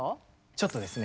ちょっとですね